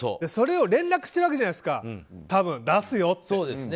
それを連絡してるわけじゃないですか多分、出すよって。